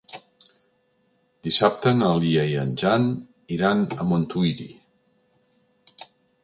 Dissabte na Lia i en Jan iran a Montuïri.